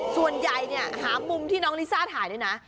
ส่วนใหญ่เนี่ยหามุมที่น้องลิซ่าถ่ายด้วยนะ